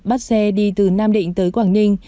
bắt xe đi từ nam định tới quảng ninh